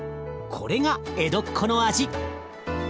これが江戸っ子の味。